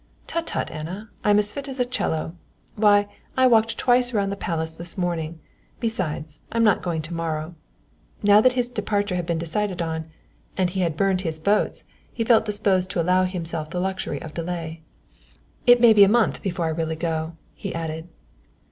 "Tut, tut, Anna, I'm fit as a cello. Why, I walked twice round the palace this morning; besides, I'm not going to morrow." Now that his departure had been decided on, and he had burnt his boats, he felt disposed to allow himself the luxury of delay. "It may be a month before I really go," he added.